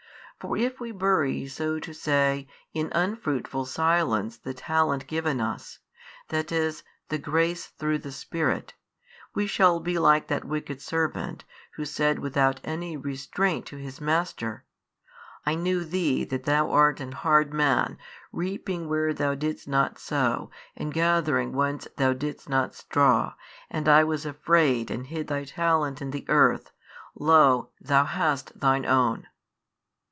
For if we bury so to say in unfruitful silence the talent given us, that is, the grace through the Spirit, we shall be like that wicked servant who said without any restraint to his Master, I knew Thee that Thou art an hard man reaping where Thou didst not sow and gathering whence Thou didst not straw and I was afraid and hid Thy talent in the earth, lo, Thou hast Thine own.